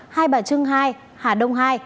hai bà trưng hai hà đông hai